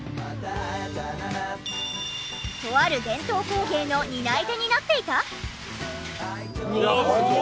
とある伝統工芸の担い手になっていた！？